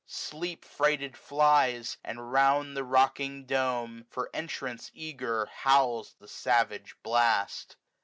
Sleep frighted flies ; and round the rocking dome. For entrance eager, howls the savage blast.